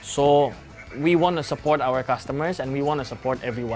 jadi kami ingin mendukung pelanggan kami dan kami ingin mendukung semua orang bersama